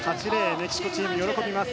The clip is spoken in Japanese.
メキシコチーム喜びます。